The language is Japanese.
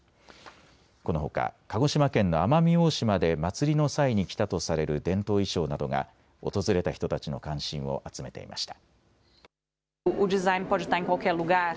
このほか鹿児島県の奄美大島で祭りの際に着たとされる伝統衣装などが訪れた人たちの関心を集めていました。